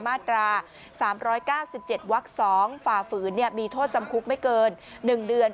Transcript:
มาตราสามร้อยเก้าสิบเจ็ดวักสองฝ่าฝืนเนี้ยมีโทษจำคลุกไม่เกินหนึ่งเดือน